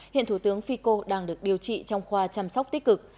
hiện thủ tướng fico đang được điều trị trong khoa chăm sóc tích cực